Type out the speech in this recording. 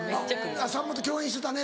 「さんまと共演してたね」